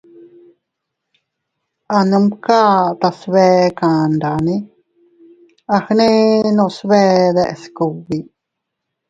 A numka tas bee kandane a gnenos bee deʼes kugbi.